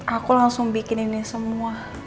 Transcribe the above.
aku langsung bikininnya semua